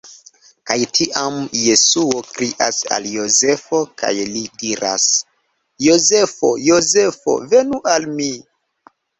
Kaj tiam Jesuo krias al Jozefo, kaj li diras: "Jozefo! Jozefo, venu al mi!